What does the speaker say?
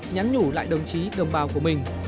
nhắn nhủ lại đồng chí đồng bào của mình